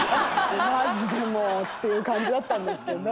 マジでもうっていう感じだったんですけど。